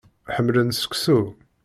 Ḥemmlen seksu.